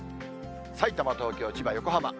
さいたま、東京、千葉、横浜。